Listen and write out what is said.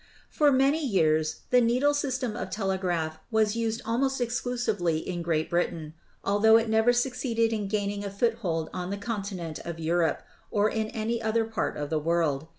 For many years the needle system of telegraph was used almost exclusively in Great Britain, altho it never succeeded in gaining a foothold on the continent of Eu rope or in any other part of the world.